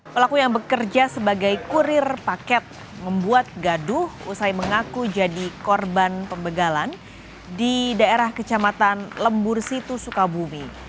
pelaku yang bekerja sebagai kurir paket membuat gaduh usai mengaku jadi korban pembegalan di daerah kecamatan lembur situ sukabumi